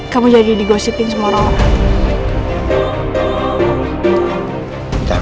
kamu jadi digosipin sama orang